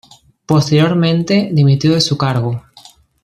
Posteriormente dimitió de su cargo.